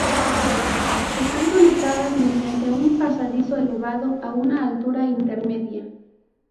Están conectadas mediante un pasadizo elevado a una altura intermedia.